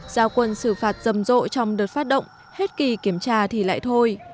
giao quân xử phạt rầm rộ trong đợt phát động hết kỳ kiểm tra thì lại thôi